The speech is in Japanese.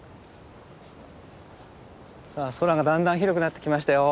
さあ空がだんだん広くなってきましたよ。